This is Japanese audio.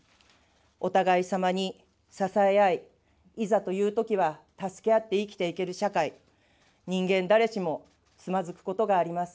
お互いさまに支え合い、いざというときは、助け合って生きていける社会、人間誰しもつまずくことがあります。